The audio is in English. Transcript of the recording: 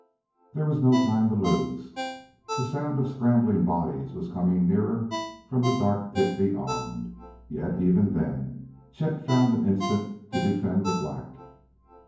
There was no time to lose: the sound of scrambling bodies was coming nearer from the dark pit beyond. Yet, even then, Chet found an instant to defend the black.